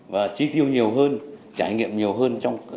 và chi tiêu nhiều hơn trải nghiệm nhiều hơn